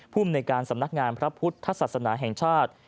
ภูมิในการสำนักงานพระพุทธศาสนาแห่งชาติ